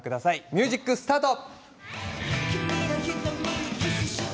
ミュージックスタート。